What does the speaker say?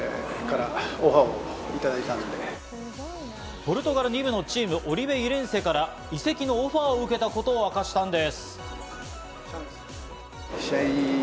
ポルトガル２部のチーム、オリベイレンセから、移籍のオファーを受けたことを明かしたんです。